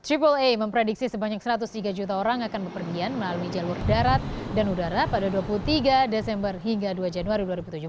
memprediksi sebanyak satu ratus tiga juta orang akan berpergian melalui jalur darat dan udara pada dua puluh tiga desember hingga dua januari dua ribu tujuh belas